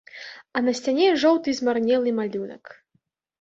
А на сцяне жоўты змарнелы малюнак.